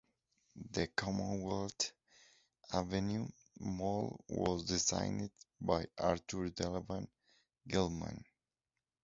The Commonwealth Avenue Mall was designed by Arthur Delevan Gilman.